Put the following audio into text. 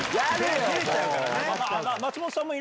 照れちゃうからね。